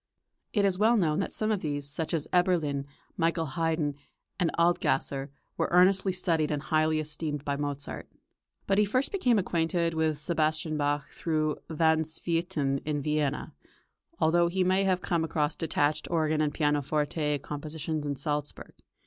It is well known that some of these, such as Eberlin, Michael Haydn, and Adlgasser, were earnestly studied and highly esteemed by Mozart. But he first became acquainted with Sebastian Bach through Van Swieten in Vienna, although he may have come across detached organ or pianoforte compositions in Salzburg.